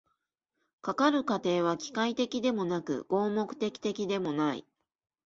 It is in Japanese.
かかる過程は機械的でもなく合目的的でもない。